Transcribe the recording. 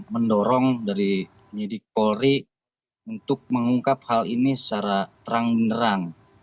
mendorong dari penyidik polri untuk mengungkap hal ini secara terang benerang